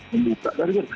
membuka dari kan